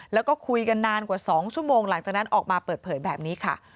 แล้วก็คุยกันนานกว่า๒ชั่วโมงหลังจากนั้นออกมาเปิดเผยแบบนี้ค่ะ